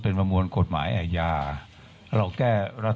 ขอบพระคุณนะครับ